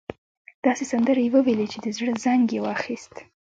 داسې سندرې يې وويلې چې د زړه زنګ يې واخيست.